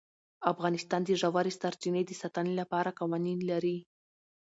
افغانستان د ژورې سرچینې د ساتنې لپاره قوانین لري.